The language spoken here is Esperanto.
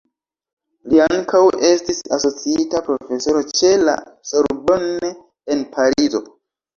Li ankaŭ estis asociita profesoro ĉe la Sorbonne en Parizo.